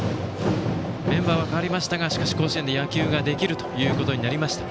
メンバーは変わりましたが甲子園で野球ができることになりました。